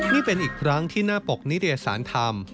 นี่เป็นอีกครั้งที่หน้าปกนิตยสารธรรม